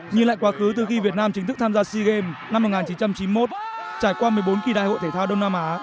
nhìn lại quá khứ từ khi việt nam chính thức tham gia sea games năm một nghìn chín trăm chín mươi một trải qua một mươi bốn kỳ đại hội thể thao đông nam á